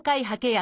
や